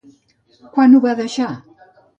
Quan ho va deixar?